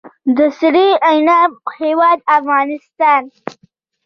د سرې عناب هیواد افغانستان.